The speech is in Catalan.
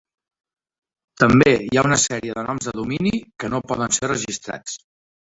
També hi ha una sèrie de noms de domini que no poden ser registrats.